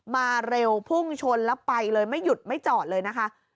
มาเร็วพุ่งชนแล้วไปเลยไม่หยุดไม่จอดเลยนะคะ